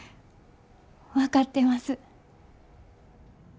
分かってます。